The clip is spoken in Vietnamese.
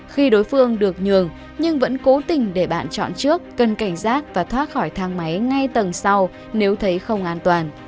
khi đối phương được nhường nhưng vẫn cố tình để bạn chọn trước cần cảnh giác và thoát khỏi thang máy ngay tầng sau nếu thấy không an toàn